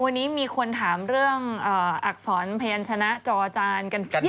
วันนี้มีคนถามเรื่องอักษรพยานชนะจอจานกันเพียบ